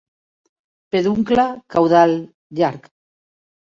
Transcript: Peduncle caudal llarg.